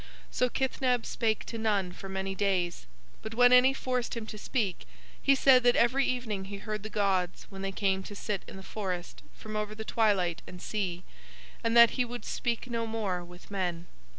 "So Kithneb spake to none for many days, but when any forced him to speak he said that every evening he heard the gods when they came to sit in the forest from over the twilight and sea, and that he would speak no more with men.